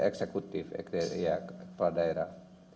eksekutif eksekutif ya kepala daerah